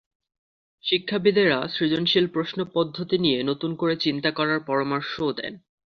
শিক্ষাবিদেরা সৃজনশীল প্রশ্ন পদ্ধতি নিয়ে নতুন করে চিন্তা করারও পরামর্শ দেন।